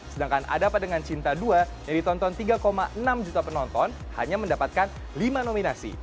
sedangkan ada apa dengan cinta dua yang ditonton tiga enam juta penonton hanya mendapatkan lima nominasi